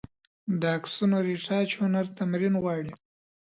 د عکسونو رېټاچ هنر تمرین غواړي.